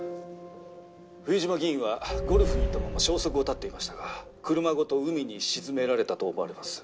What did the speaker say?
「冬島議員はゴルフに行ったまま消息を絶っていましたが車ごと海に沈められたと思われます」